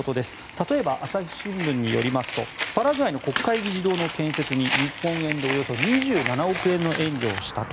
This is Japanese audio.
例えば、朝日新聞によりますとパラグアイの国会議事堂の建設に日本円でおよそ２７億円の援助をしたと。